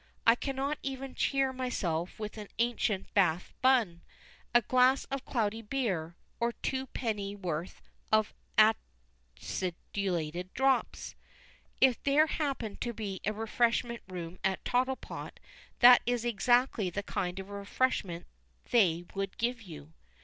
I cannot even cheer myself with an ancient bath bun, a glass of cloudy beer, or two penny worth of acidulated drops. (If there happened to be a refreshment room at Tottlepot that is exactly the kind of refreshment they would give you).